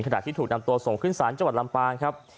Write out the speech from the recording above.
ขนาดที่ถูกนำตัวส่งขึ้นสารจับระหว่างครับ